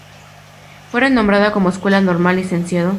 Fue renombrada como Escuela Normal "Lic.